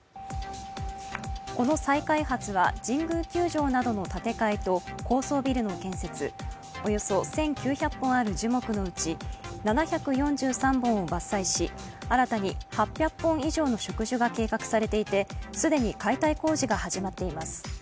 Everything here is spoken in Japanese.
この再開発は神宮球場などの建て替えと高層ビルの建設、およそ１９００本ある樹木のうち、７４３本を伐採し、新たに８００本以上の植樹が計画されていて既に解体工事が始まっています。